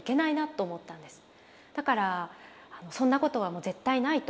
だからそんなことはもう絶対ないと。